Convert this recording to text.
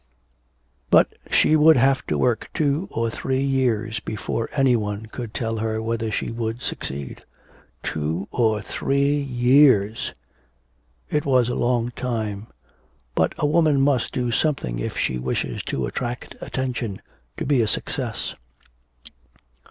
But she would have to work two or three years before any one could tell her whether she would succeed. Two or three years! It was a long time, but a woman must do something if she wishes to attract attention, to be a success.